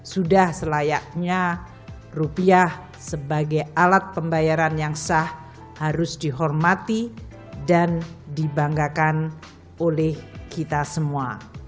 sudah selayaknya rupiah sebagai alat pembayaran yang sah harus dihormati dan dibanggakan oleh kita semua